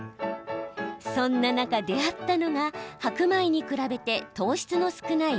そんな中出会ったのが白米に比べて糖質の少ないオートミール。